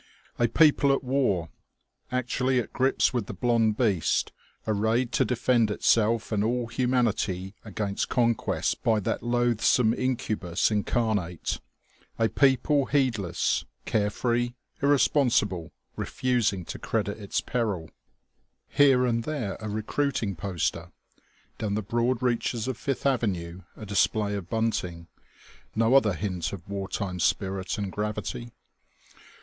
A people at war, actually at grips with the Blond Beast, arrayed to defend itself and all humanity against conquest by that loathsome incubus incarnate, a people heedless, carefree, irresponsible, refusing to credit its peril.... Here and there a recruiting poster, down the broad reaches of Fifth Avenue a display of bunting, no other hint of war time spirit and gravity....